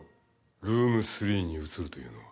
ルーム３に移るというのは。